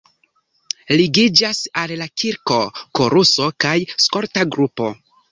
Ligiĝas al la kirko koruso kaj skolta grupo.